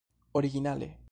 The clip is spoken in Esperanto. originale